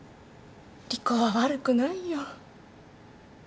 莉子は悪くないよ。